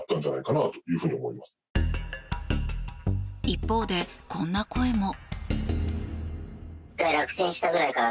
一方で、こんな声も。